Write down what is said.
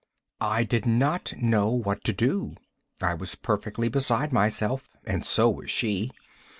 I did not know what to do, I was perfectly beside myself, and so was she.